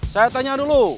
saya tanya dulu